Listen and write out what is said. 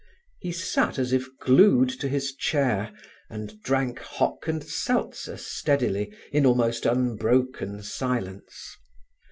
He sat as if glued to his chair, and drank hock and seltzer steadily in almost unbroken silence.